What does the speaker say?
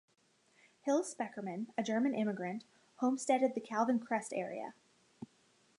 Hills Speckerman, a German immigrant, homesteaded the Calvin Crest area.